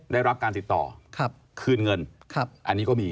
ได้รับการติดต่อคืนเงินอันนี้ก็มี